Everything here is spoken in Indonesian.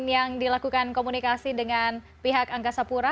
yang dilakukan komunikasi dengan pihak angkasa pura